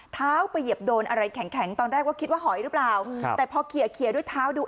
เท้าไปเหยียบโดนอะไรแข็งตอนแรกว่าคิดว่าหอยหรือเปล่าแต่พอเขียด้วยเท้าดู